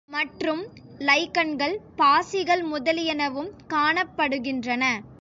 மற்றும் லைக்கன்கள், பாசிகள் முதலியனவும் காணப்படுகின்றன.